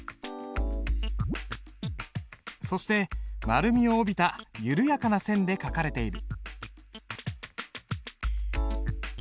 そして丸みを帯びた緩やかな線で書かれている。